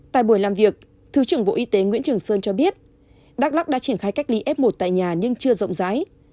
tại buổi làm việc thứ trưởng bộ y tế nguyễn trường sơn cho biết đắk lắc đã triển khai cách ly f một tại nhà nhưng chưa rộng rãi